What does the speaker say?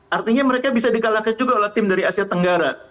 artinya mereka bisa dikalahkan juga oleh tim dari asia tenggara